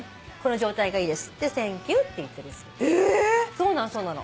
そうなのそうなの。